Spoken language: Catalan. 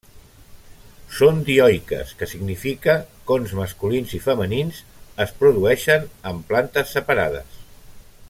Són dioiques que significa cons masculins i femenins es produeixen en plantes separades.